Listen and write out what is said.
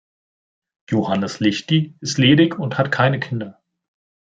Johannes Lichdi ist ledig und hat keine Kinder.